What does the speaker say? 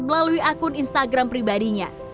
melalui akun instagram pribadinya